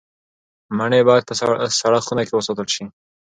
مڼې باید په سړه خونه کې وساتل شي.